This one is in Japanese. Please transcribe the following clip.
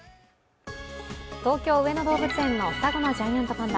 東京・上野動物園の双子のジャイアントパンダ。